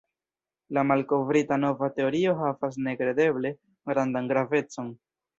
La malkovrita nova teorio havas nekredeble grandan gravecon.